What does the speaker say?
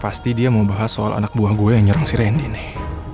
pasti dia mau bahas soal anak buah gue yang nyerang si randy nih